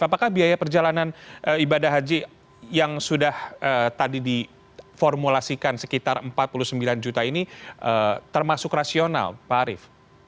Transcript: apakah biaya perjalanan ibadah haji yang sudah tadi diformulasikan sekitar empat puluh sembilan juta ini termasuk rasional pak arief